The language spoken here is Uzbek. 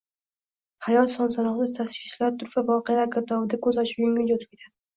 Hayot son-sanoqsiz tashvishlar, turfa voqealar girdobida ko‘z ochib yumguncha o‘tib ketadi.